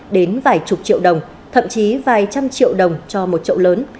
đến vài chục triệu đồng thậm chí vài trăm triệu đồng cho một chậu lớn